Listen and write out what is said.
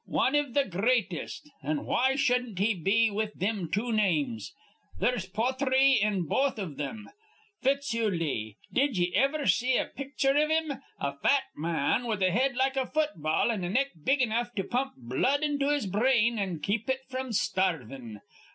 Wan iv th' gr reatest. An' why shudden't he be with thim two names? They'se pothry in both iv thim. Fitz Hugh Lee! Did ye iver see a pitcher iv him? A fat ma an, with a head like a football an' a neck big enough to pump blood into his brain an' keep it fr'm starvin'.